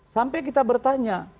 sampai kita bertanya